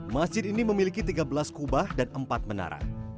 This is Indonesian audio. masjid ini memiliki tiga belas kubah dan empat menara